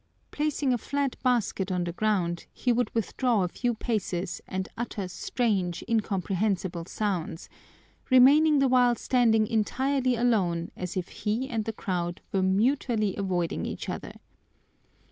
Placing a flat basket on the ground, he would withdraw a few paces and utter strange, incomprehensible sounds, remaining the while standing entirely alone as if he and the crowd were mutually avoiding each other.